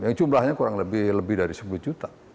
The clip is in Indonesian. yang jumlahnya kurang lebih dari sepuluh juta